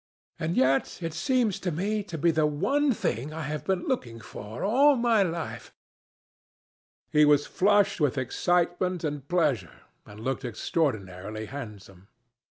And yet it seems to me to be the one thing I have been looking for all my life." He was flushed with excitement and pleasure, and looked extraordinarily handsome.